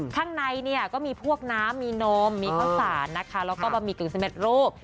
ข้างในก็มีพวกน้ำมีนมมีข้าวสารนะคะแล้วก็บะหมี่กลิ่น๑๑รูป